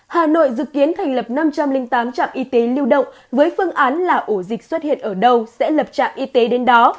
hà nội dự kiến thành lập năm trăm linh tám trạm y tế lưu động với phương án là ổ dịch xuất hiện ở đâu sẽ lập trạm y tế đến đó